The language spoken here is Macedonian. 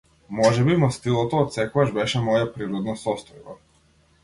Можеби мастилото отсекогаш беше моја природна состојба.